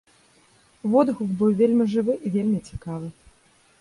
Водгук быў вельмі жывы і вельмі цікавы.